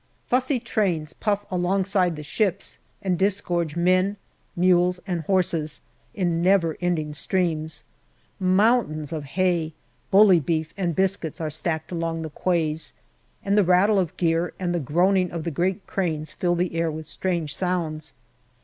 Fussy trains puff alongside the ships and disgorge men, mules, and horses, in never ending streams. Mountains of hay, bully beef, and biscuits are stacked along the quays, and the rattle of gear and the groaning of the great cranes fill the air with strange sounds.